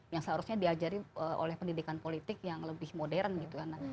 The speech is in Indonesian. yang seharusnya diajari oleh pendidikan politik yang lebih modern gitu kan